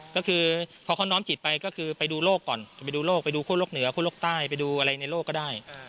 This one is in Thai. ก็คือพอเขาน้อมจิตไปก็คือไปดูโลกก่อนไปดูโลกไปดูคั่วโลกเหนือคั่วโลกใต้ไปดูอะไรในโลกก็ได้